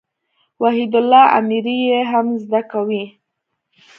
وحيدالله اميري ئې هم زده کوي.